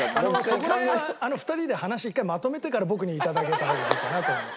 そこら辺は２人で話一回まとめてから僕に頂けた方がいいかなと思います。